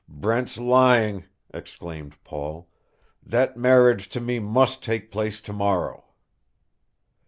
"Brent's lying," exclaimed Paul. "That marriage to me must take place to morrow."